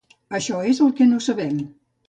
Això és el que no sabem.